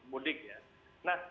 mudik ya nah